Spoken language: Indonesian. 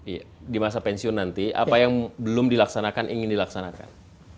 iya di masa pensiun nanti apa yang belum dilaksanakan ingin dilaksanakan